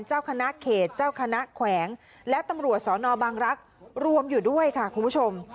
เจ้าคณะเขตเจ้าคณะแขวงและตำรวจสอนอบางรักษ์รวมอยู่ด้วยค่ะคุณผู้ชม